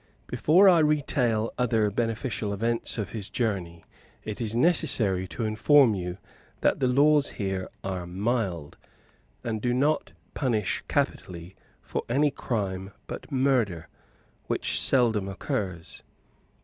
Before I retail other beneficial effects of his journey, it is necessary to inform you that the laws here are mild, and do not punish capitally for any crime but murder, which seldom occurs.